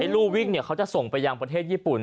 รูวิ่งเขาจะส่งไปยังประเทศญี่ปุ่น